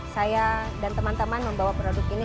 saya dan teman teman membawa produk ini